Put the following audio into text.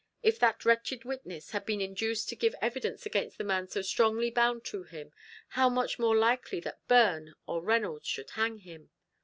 If that wretched witness had been induced to give evidence against the man so strongly bound to him, how much more likely that Byrne or Reynolds should hang him!